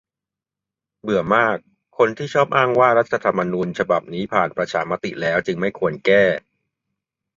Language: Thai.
เบื่อมาก คนที่ชอบอ้างว่า รัฐธรรมนูญ ฉบับนี้ผ่านประชามติแล้ว จึงไม่ควรแก้